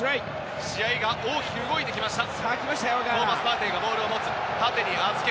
試合が大きく動いてきました。